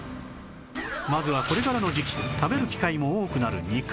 まずはこれからの時期食べる機会も多くなる肉まん